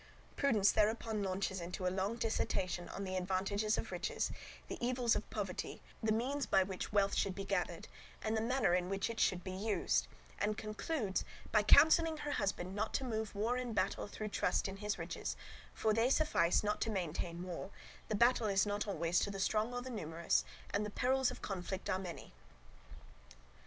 Prudence thereupon launches into a long dissertation on the advantages of riches, the evils of poverty, the means by which wealth should be gathered, and the manner in which it should be used; and concludes by counselling her husband not to move war and battle through trust in his riches, for they suffice not to maintain war, the battle is not always to the strong or the numerous, and the perils of conflict are many.